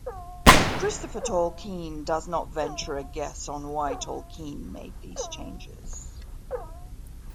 Christopher Tolkien does not venture a guess on why Tolkien made these changes.